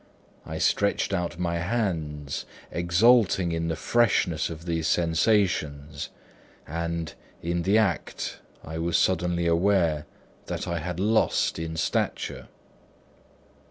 I stretched out my hands, exulting in the freshness of these sensations; and in the act, I was suddenly aware that I had lost in stature.